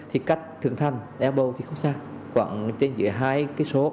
thì cách thượng thành elbow thì không xa khoảng trên giữa hai km